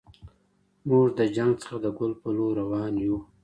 موږ له جنګ څخه د ګل په لور روان یو.